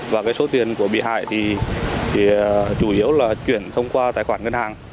và cái số tiền của bị hại thì chủ yếu là chuyển thông qua tài khoản ngân hàng